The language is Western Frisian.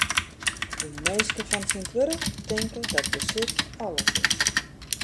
De minsken fan tsjintwurdich tinke dat besit alles is.